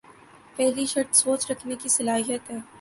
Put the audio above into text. پہلی شرط سوچ رکھنے کی صلاحیت ہے۔